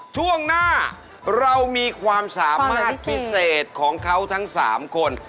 ช่วงหน้าเรามีความสามารถพิเศษของเขาทั้ง๓คน